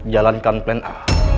jalankan plan a